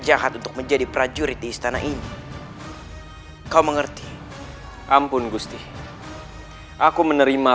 jahat untuk menjadi prajurit di istana ini kau mengerti ampun gusti aku menerima